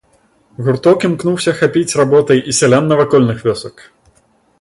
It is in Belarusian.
Гурток імкнуўся ахапіць работай і сялян навакольных вёсак.